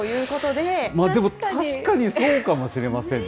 でも確かにそうかもしれませんね。